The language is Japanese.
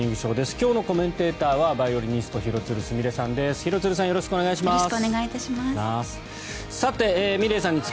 今日のコメンテーターはバイオリニスト廣津留すみれさんです。